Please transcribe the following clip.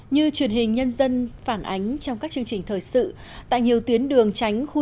như truyền hình nhân dân phản ánh trong các chương trình thời sự tại nhiều tuyến đường tránh khu vực